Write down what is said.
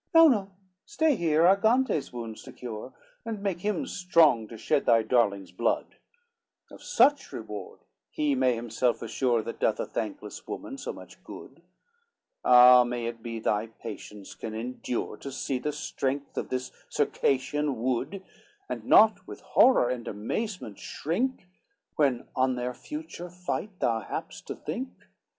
LXXV "No, no, stay here Argantes' wounds to cure, And make him strong to shed thy darling's blood, Of such reward he may himself assure, That doth a thankless woman so much good: Ah, may it be thy patience can endure To see the strength of this Circassian wood, And not with horror and amazement shrink, When on their future fight thou hap'st to think?